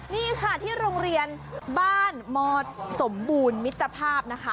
นี่ค่ะที่โรงเรียนบ้านมสมบูรณ์มิตรภาพนะคะ